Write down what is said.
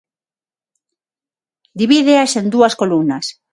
Divídeas en dúas columnas.